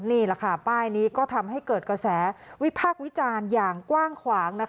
นี่แหละค่ะป้ายนี้ก็ทำให้เกิดกระแสวิพากษ์วิจารณ์อย่างกว้างขวาง